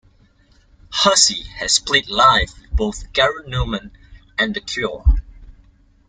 Hussey has played live with both Gary Numan and The Cure.